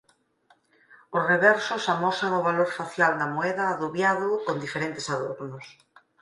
Os reversos amosan o valor facial da moeda adobiado con diferente adornos.